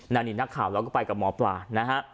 นั่นนี่นักข่าวแล้วก็ไปกับหมอปลานะฮะ